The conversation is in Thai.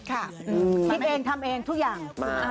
คิดเองทำเองทุกอย่าง